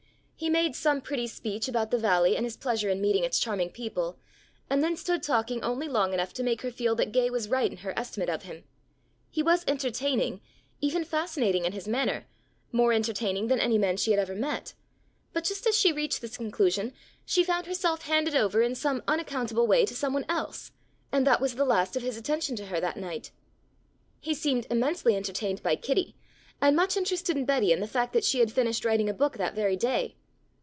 He made some pretty speech about the Valley and his pleasure in meeting its charming people, and then stood talking only long enough to make her feel that Gay was right in her estimate of him. He was entertaining, even fascinating in his manner, more entertaining than any man she had ever met. But just as she reached this conclusion she found herself handed over in some unaccountable way to some one else, and that was the last of his attention to her that night. He seemed immensely entertained by Kitty, and much interested in Betty and the fact that she had finished writing a book that very day.